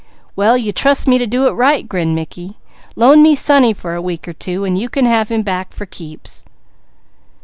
"Well you trust me to do it right," grinned Mickey. "Loan me sonny for a week or two, and you can have him back for keeps."